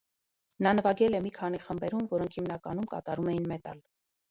Նա նվագել է մի քանի խմբերում, որոնք հիմնականում կատարում էին մետալ։